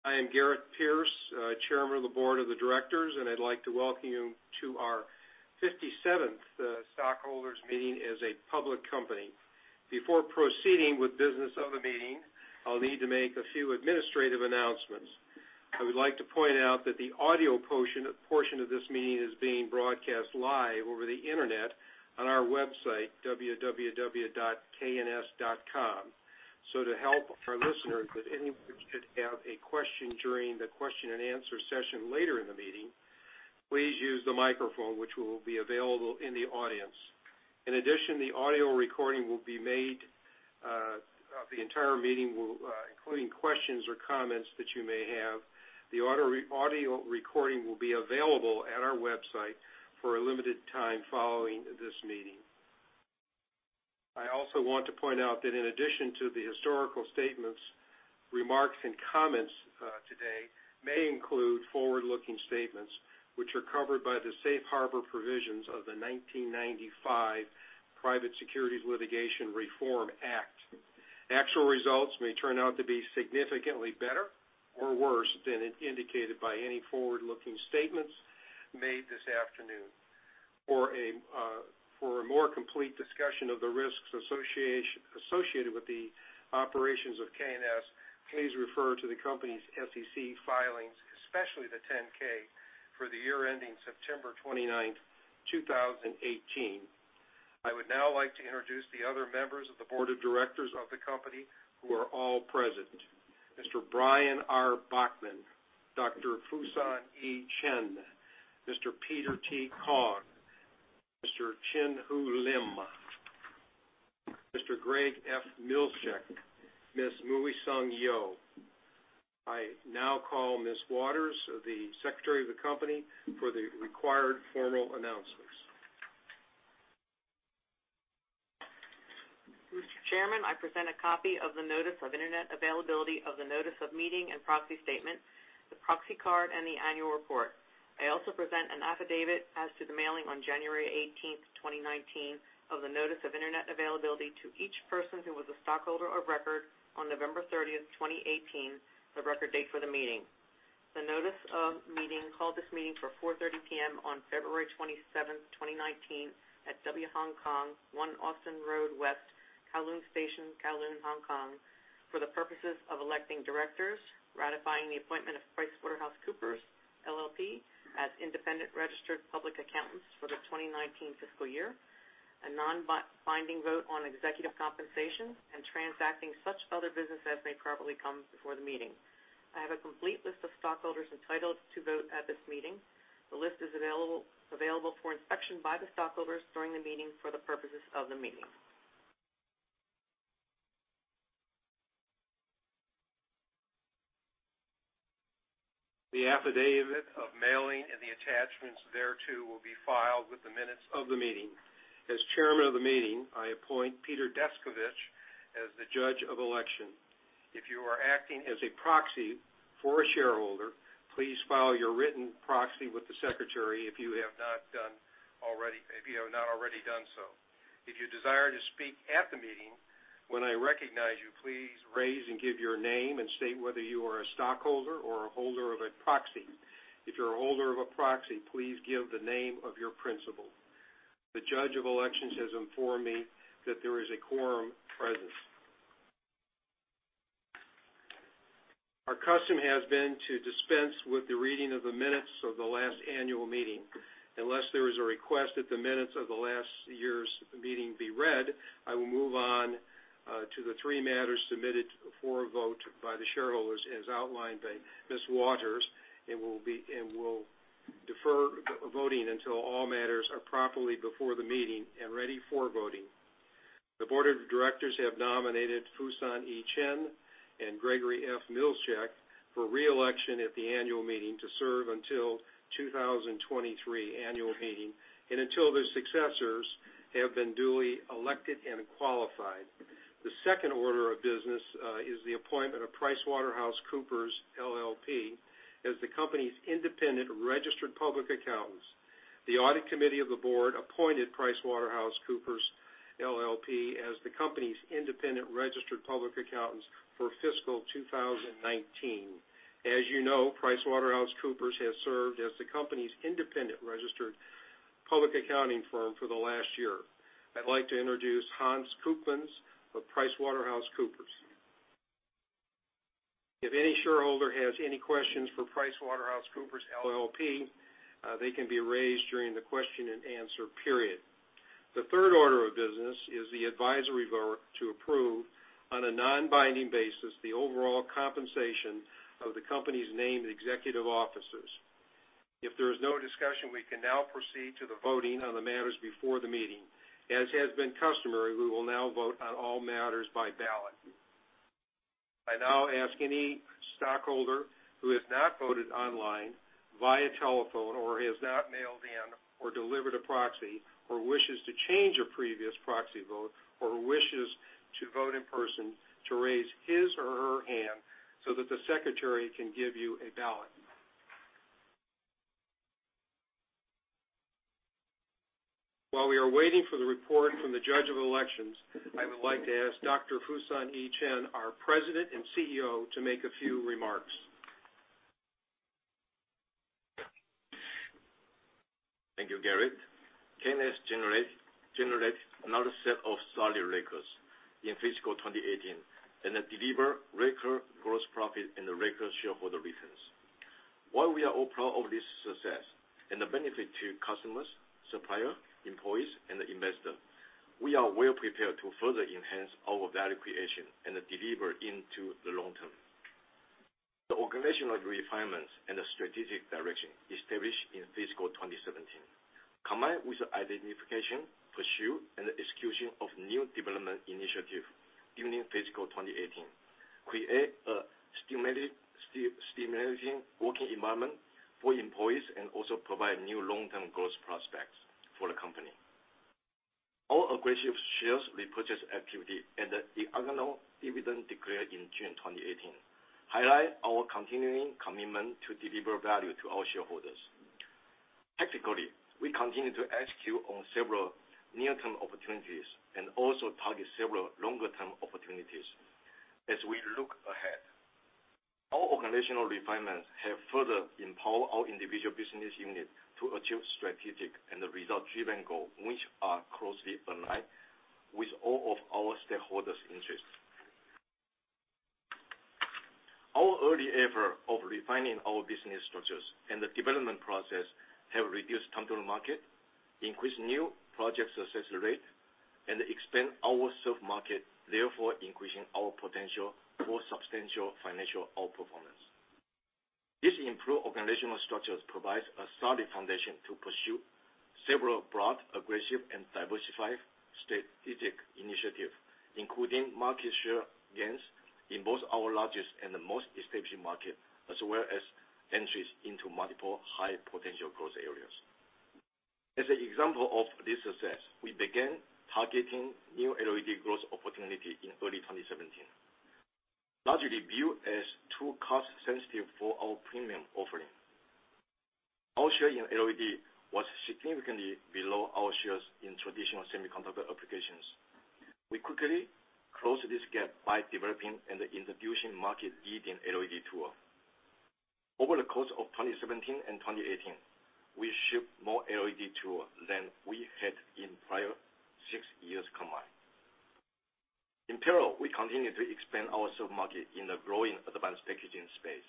I am Garrett Pierce, Chairman of the Board of the Directors, and I'd like to welcome you to our 57th stockholders meeting as a public company. Before proceeding with business of the meeting, I'll need to make a few administrative announcements. I would like to point out that the audio portion of this meeting is being broadcast live over the internet on our website, www.kns.com. To help our listeners, if anybody should have a question during the question and answer session later in the meeting, please use the microphone, which will be available in the audience. In addition, the audio recording will be made of the entire meeting, including questions or comments that you may have. The audio recording will be available at our website for a limited time following this meeting. I also want to point out that in addition to the historical statements, remarks, and comments today may include forward-looking statements which are covered by the Safe Harbor provisions of the 1995 Private Securities Litigation Reform Act. Actual results may turn out to be significantly better or worse than indicated by any forward-looking statements made this afternoon. For a more complete discussion of the risks associated with the operations of K&S, please refer to the company's SEC filings, especially the 10-K for the year ending September 29th, 2018. I would now like to introduce the other members of the Board of Directors of the company who are all present. Mr. Brian R. Bachman, Dr. Fusen E. Chen, Mr. Peter T. Kong, Mr. Chin Hu Lim, Mr. Greg F. Milzcik, Ms. Mui Sung Yeo. I now call Ms. Waters, the Secretary of the company, for the required formal announcements. Mr. Chairman, I present a copy of the notice of internet availability of the notice of meeting and proxy statement, the proxy card, and the annual report. I also present an affidavit as to the mailing on January 18th, 2019 of the notice of internet availability to each person who was a stockholder of record on November 30th, 2018, the record date for the meeting. The notice of meeting called this meeting for 4:30 P.M. on February 27th, 2019 at W Hong Kong, One Austin Road West, Kowloon Station, Kowloon, Hong Kong, for the purposes of electing directors, ratifying the appointment of PricewaterhouseCoopers LLP as independent registered public accountants for the 2019 fiscal year, a non-binding vote on executive compensation, and transacting such other business as may properly come before the meeting. I have a complete list of stockholders entitled to vote at this meeting. The list is available for inspection by the stockholders during the meeting for the purposes of the meeting. The affidavit of mailing and the attachments thereto will be filed with the minutes of the meeting. As chairman of the meeting, I appoint Peter Descovich as the judge of election. If you are acting as a proxy for a shareholder, please file your written proxy with the secretary if you have not already done so. If you desire to speak at the meeting, when I recognize you, please raise and give your name and state whether you are a stockholder or a holder of a proxy. If you're a holder of a proxy, please give the name of your principal. The judge of elections has informed me that there is a quorum present. Our custom has been to dispense with the reading of the minutes of the last annual meeting. Unless there is a request that the minutes of the last year's meeting be read, we'll defer voting until all matters are properly before the meeting and ready for voting. The board of directors have nominated Fusen E. Chen and Gregory F. Milzcik for re-election at the annual meeting to serve until 2023 annual meeting and until their successors have been duly elected and qualified. The second order of business is the appointment of PricewaterhouseCoopers LLP as the company's independent registered public accountants. The audit committee of the board appointed PricewaterhouseCoopers LLP as the company's independent registered public accountants for fiscal 2019. As you know, PricewaterhouseCoopers has served as the company's independent registered public accounting firm for the last year. I'd like to introduce Hans Koopmans of PricewaterhouseCoopers. If any shareholder has any questions for PricewaterhouseCoopers LLP, they can be raised during the question and answer period. The third order of business is the advisory vote to approve, on a non-binding basis, the overall compensation of the company's named executive officers. If there is no discussion, we can now proceed to the voting on the matters before the meeting. As has been customary, we will now vote on all matters by ballot. I now ask any stockholder who has not voted online, via telephone, or has not mailed in or delivered a proxy, or wishes to change a previous proxy vote, or wishes to vote in person, to raise his or her hand so that the secretary can give you a ballot. While we are waiting for the report from the Judge of Elections, I would like to ask Dr. Fusen E. Chen, our President and CEO, to make a few remarks. Thank you, Garrett. K&S generated another set of solid records in fiscal 2018. It delivered record gross profit and record shareholder returns. While we are all proud of this success and the benefit to customers, suppliers, employees, and the investors, we are well prepared to further enhance our value creation and deliver into the long term. The organizational refinements and the strategic direction established in fiscal 2017, combined with the identification, pursuit, and execution of new development initiatives during fiscal 2018, create a stimulating working environment for employees and also provide new long-term growth prospects for the company. Our aggressive shares repurchase activity and the annual dividend declared in June 2018 highlight our continuing commitment to deliver value to our shareholders. Technically, we continue to execute on several near-term opportunities and also target several longer-term opportunities as we look ahead. Our organizational refinements have further empowered our individual business units to achieve strategic and result-driven goals, which are closely aligned with all of our stakeholders' interests. Our early effort of refining our business structures and the development process have reduced time to market, increased new project success rate, and expanded our served market, therefore increasing our potential for substantial financial outperformance. This improved organizational structure provides a solid foundation to pursue several broad, aggressive, and diversified strategic initiatives, including market share gains in both our largest and the most established market, as well as entries into multiple high-potential growth areas. As an example of this success, we began targeting new LED growth opportunities in early 2017. Largely viewed as too cost sensitive for our premium offering, our share in LED was significantly below our shares in traditional semiconductor applications. We quickly closed this gap by developing and introducing market-leading LED tools. Over the course of 2017 and 2018, we shipped more LED tools than we had in the prior six years combined. In parallel, we continue to expand our served market in the growing advanced packaging space.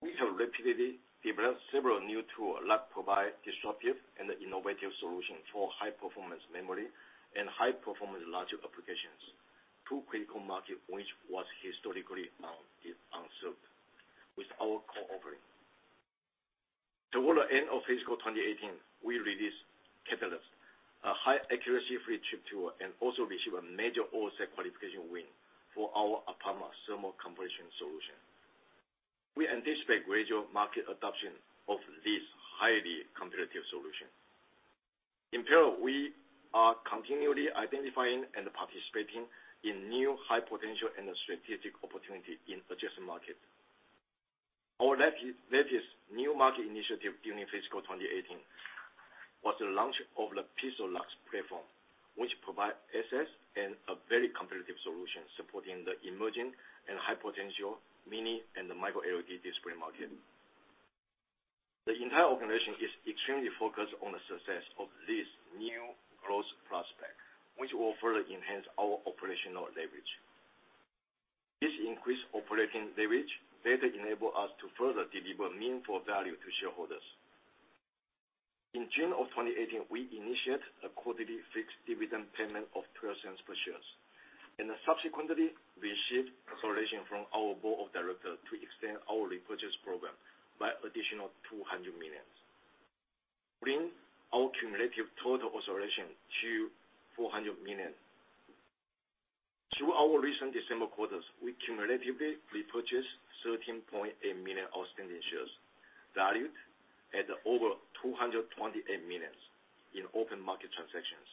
We have rapidly developed several new tools that provide disruptive and innovative solutions for high-performance memory and high-performance logic applications, two critical markets which were historically unserved with our core offering. Toward the end of fiscal 2018, we released Katalyst, a high-accuracy flip chip tool, and also received a major offset qualification win for our APAMA thermal compression solution. We anticipate gradual market adoption of these highly competitive solutions. In parallel, we are continually identifying and participating in new high-potential and strategic opportunities in adjacent markets. Our latest new market initiative during fiscal 2018 was the launch of the PIXALUX platform, which provides access and a very competitive solution supporting the emerging and high-potential mini and micro-LED display market. The entire organization is extremely focused on the success of this new growth prospect, which will further enhance our operational leverage. This increased operating leverage better enables us to further deliver meaningful value to shareholders. In June of 2018, we initiated a quarterly fixed dividend payment of $0.12 per share. Subsequently, we received authorization from our board of directors to extend our repurchase program by an additional $200 million, bringing our cumulative total authorization to $400 million. Through our recent December quarters, we cumulatively repurchased 13.8 million outstanding shares, valued at over $228 million in open market transactions.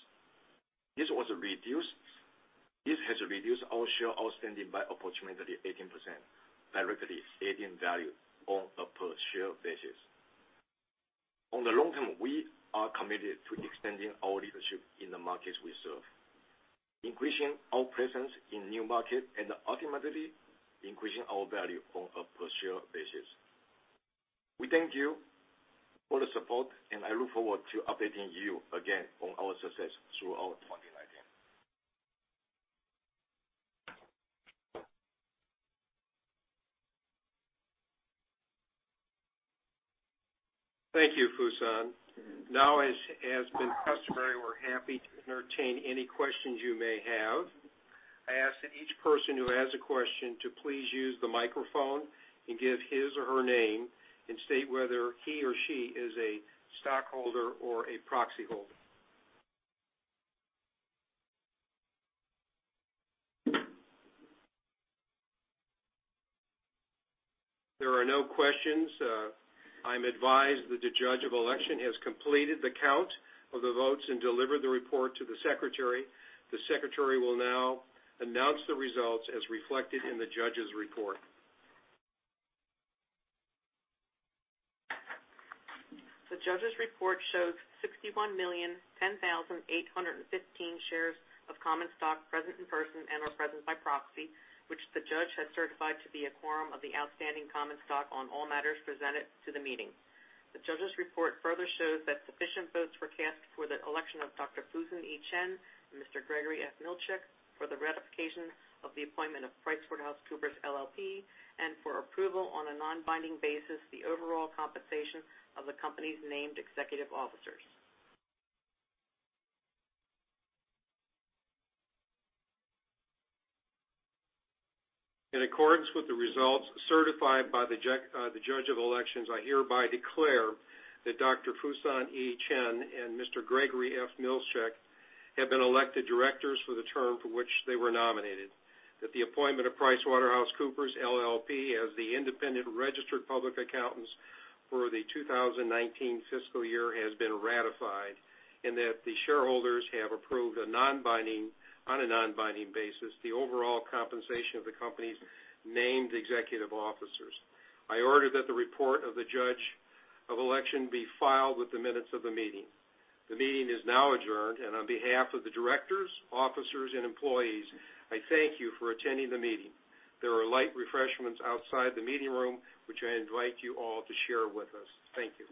This has reduced our share outstanding by approximately 18%, directly adding value on a per-share basis. On the long term, we are committed to extending our leadership in the markets we serve, increasing our presence in new markets, and ultimately, increasing our value on a per-share basis. We thank you for the support, and I look forward to updating you again on our success throughout 2019. Thank you, Fusen. Now, as has been customary, we're happy to entertain any questions you may have. I ask that each person who has a question to please use the microphone and give his or her name, and state whether he or she is a stockholder or a proxyholder. There are no questions. I'm advised that the Judge of Election has completed the count of the votes and delivered the report to the Secretary. The Secretary will now announce the results as reflected in the Judge's report. The Judge's report shows 61,010,815 shares of common stock present in person and/or present by proxy, which the Judge has certified to be a quorum of the outstanding common stock on all matters presented to the meeting. The Judge's report further shows that sufficient votes were cast for the election of Dr. Fusen E. Chen and Mr. Gregory F. Milzcik, for the ratification of the appointment of PricewaterhouseCoopers LLP, and for approval on a non-binding basis, the overall compensation of the company's named executive officers. In accordance with the results certified by the Judge of Election, I hereby declare that Dr. Fusen E. Chen and Mr. Gregory F. Milzcik have been elected directors for the term for which they were nominated, that the appointment of PricewaterhouseCoopers LLP as the independent registered public accountants for the 2019 fiscal year has been ratified, and that the shareholders have approved on a non-binding basis the overall compensation of the company's named executive officers. I order that the report of the Judge of Election be filed with the minutes of the meeting. The meeting is now adjourned, and on behalf of the directors, officers, and employees, I thank you for attending the meeting. There are light refreshments outside the meeting room, which I invite you all to share with us. Thank you